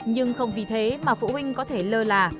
nhưng không vì thế mà phụ huynh có thể lơ là